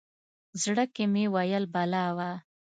زړه کې مې ویل بلا وه.